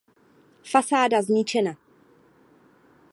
Fasáda zničena.